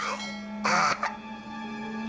you mesti rawatan